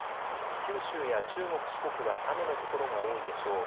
九州や中国、四国は雨の所が多いでしょう。